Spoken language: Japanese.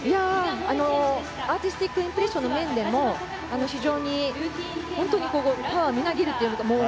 アーティスティックインプレッションの面でも非常にパワーみなぎるというか。